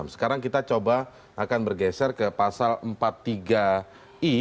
sekarang kita coba akan bergeser ke pasal empat puluh tiga i